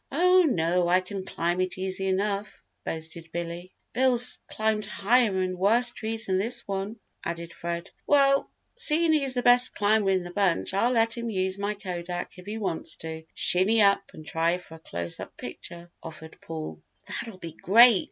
"Oh, no, I can climb it easy enough," boasted Billy. "Bill's climbed higher and worse trees than this one," added Fred. "Well, seein' he's the best climber in the bunch I'll let him use my kodak if he wants to shinny up and try for a close up picture," offered Paul. "That'll be great!